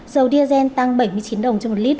dầu diesel tăng bảy mươi chín đồng trên một lít